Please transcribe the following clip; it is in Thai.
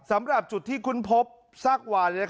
สำหรับจุดที่คุ้นพบซากวาน